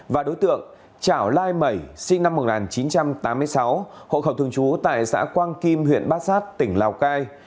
và đối tượng trảo lai mẩy sinh năm một nghìn chín trăm tám mươi sáu hộ khẩu thường trú tại xã quang kim huyện bát sát tỉnh lào cai